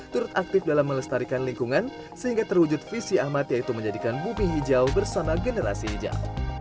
turut aktif dalam melestarikan lingkungan sehingga terwujud visi ahmad yaitu menjadikan bumi hijau bersama generasi hijau